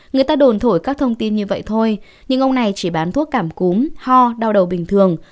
người ta đồn thổi các thông tin như vậy thôi nhưng ông này chỉ bán thuốc cảm cúm ho đau đầu bình thường